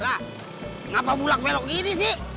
lah ngapa mulak melok gini sih